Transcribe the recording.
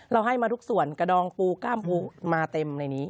ให้มาทุกส่วนกระดองปูกล้ามปูมาเต็มในนี้